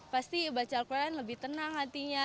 pasti baca al quran lebih tenang hatinya